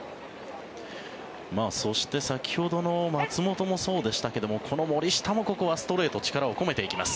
そして、先ほどの松本もそうでしたけどこの森下もここはストレート力を込めていきます。